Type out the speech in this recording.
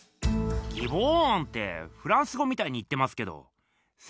ギボーンってフランス語みたいに言ってますけど仙